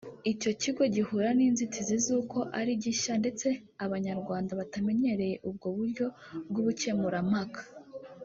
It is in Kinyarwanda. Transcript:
Icyo kigo gihura n’inzitizi z’uko ari gishya ndetse Abanyarwanda batamenyereye ubwo buryo bw’ubukemurampaka